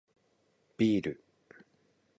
ビール